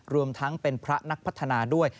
รวมทั้งเป็นพระนักพัฒนาด้วย